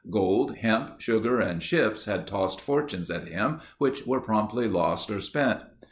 Gold, hemp, sugar, and ships had tossed fortunes at him which were promptly lost or spent.